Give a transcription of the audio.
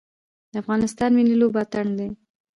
د افغانستان ملي لوبه اتن دی